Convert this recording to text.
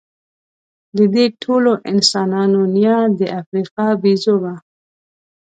د دې ټولو انسانانو نیا د افریقا بیزو وه.